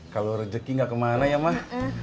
kalau rezeki nggak kemana ya mak